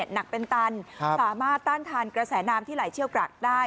หนักเป็นตันสามารถต้านทานกระแสน้ำที่ไหลเชี่ยวกรากได้